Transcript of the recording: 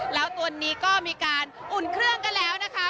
แล้วตัวนี้ก็มีการอุ่นเครื่องกันแล้วนะคะ